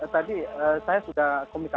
tadi saya sudah komunikasikan